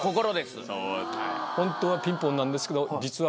ホントはピンポンなんですけど実は。